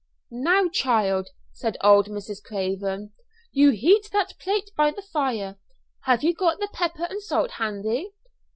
"Now, child," said old Mrs. Craven, "you heat that plate by the fire. Have you got the pepper and salt handy?